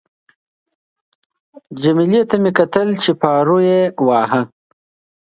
جميله ته مې کتل چې پارو یې واهه.